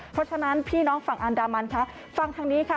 เพราะฉะนั้นพี่น้องฝั่งอันดามันค่ะ